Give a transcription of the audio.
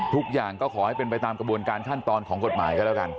ทุกอย่างก็ขอให้เป็นไปตามกระบวนการขั้นตอนของกฎหมายก็แล้วกัน